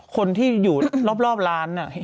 คนที่อยู่รอบร้านเนี่ย